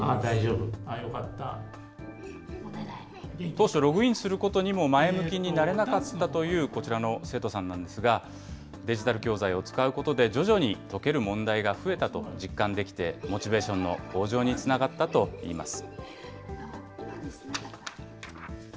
当初、ログインすることにも前向きになれなかったというこちらの生徒さんなんですが、デジタル教材を使うことで、徐々に解ける問題が増えたと実感できて、モチベーションの向上につながったといいます。